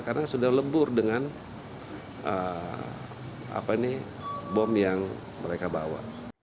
karena sudah lebur dengan bom yang mereka bawa